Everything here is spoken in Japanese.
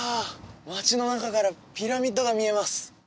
街の中からピラミッドが見えます